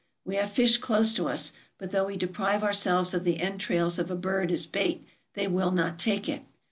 We have fish close to us, but though we deprive ourselves of the entrails of a bird as bait, they will not take it.